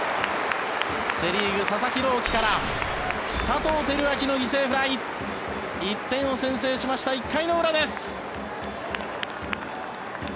セ・リーグ、佐々木朗希から佐藤輝明の犠牲フライ１点を先制しました１回の裏です。